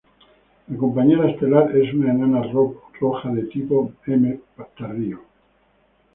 La compañera estelar es una enana roja de tipo M-tardío.